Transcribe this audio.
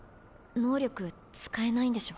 能力使えないんでしょ？